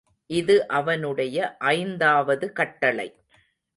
இது அவனுடைய ஐந்தாவது கட்டளை.